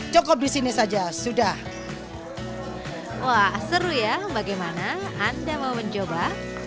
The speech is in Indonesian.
cukup disini saja sudah wah seru ya bagaimana anda mau mencoba